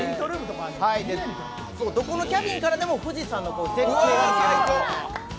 どこのキャビンからでも富士山の絶景を望める。